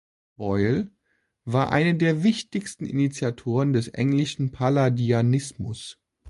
Boyle war einer der wichtigsten Initiatoren des englischen Palladianismus.